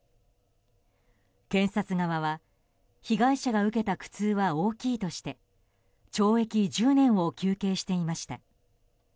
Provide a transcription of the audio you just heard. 検察側は、被害者が受けた苦痛は大きいとして懲役１０年を求刑していました。